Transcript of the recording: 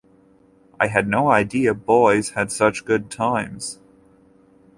I had no idea boys had such good times.